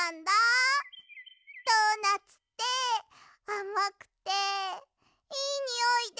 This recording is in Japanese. ドーナツってあまくていいにおいで。